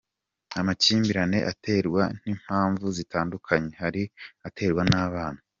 Amakimbirane aterwa n’impamvu zitandukanye, hari aterwa n’abana.